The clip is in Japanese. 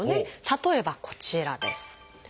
例えばこちらです。